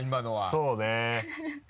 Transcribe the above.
そうね。